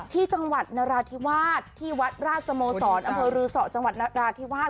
ที่จังหวัดนราธิวาสที่วัดราชสโมสรอำเภอรือสอจังหวัดนราธิวาส